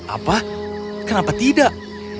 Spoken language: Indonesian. apa kenapa tidak